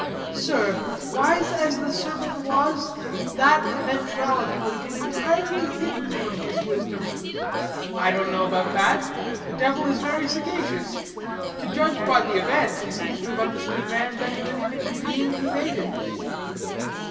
Sir, wise as the serpent was, that eventuality would have been entirely hidden from his wisdom." "I don't know about that. The devil is very sagacious. To judge by the event, he appears to have understood man better even than the Being who made him."